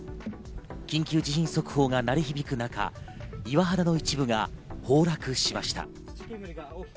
緊急地震速報が鳴り響く中、岩肌の一部が崩落しました。